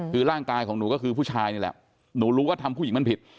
คือร่างกายของหนูก็คือผู้ชายนี่แหละหนูรู้ว่าทำผู้หญิงมันผิด